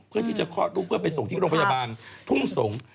เพื่อที่จะคลอดลูกเพื่อไปส่งที่โรงพยาบาลทุ่งสงศ์